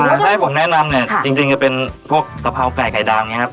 อ่าไส้ผมแนะนำเนี่ยจริงจะเป็นพวกกะเพราไก่ไข่ดาวเนี่ยครับ